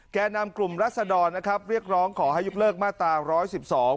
แก่นำกลุ่มรัศดรนะครับเรียกร้องขอให้ยกเลิกมาตราร้อยสิบสอง